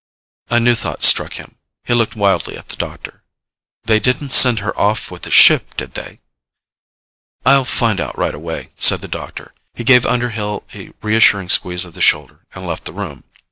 A new thought struck him. He looked wildly at the doctor. "They didn't send her off with the ship, did they?" "I'll find out right away," said the doctor. He gave Underhill a reassuring squeeze of the shoulder and left the room.